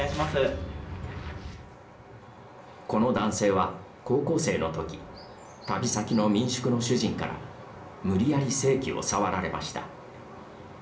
この男性は、高校生のとき旅先の民宿の主人から無理やり性器を触られました。